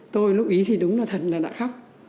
tôi lúc ý thì đúng là thật là đã khóc